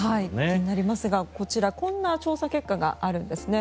気になりますが、こちらこんな調査結果があるんですね。